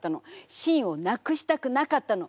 清をなくしたくなかったの！